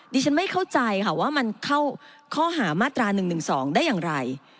ดิฉันไม่เข้าใจค่ะว่ามันเข้าข้อหามาตรา๑๑๒ได้อย่างไร